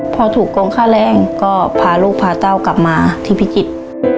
พอถูกโกงค่าแรงก็พาลูกพาเต้ากลับมาที่พิจิตร